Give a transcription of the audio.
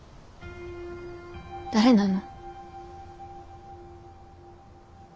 誰なの？